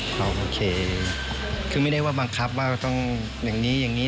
โอเคคือไม่ได้ว่าบังคับว่าต้องอย่างนี้อย่างนี้